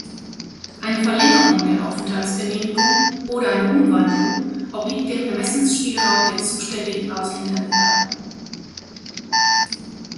Eine Verlängerung der Aufenthaltsgenehmigung oder eine Umwandlung obliegt dem Ermessensspielraum der zuständigen Ausländerbehörde.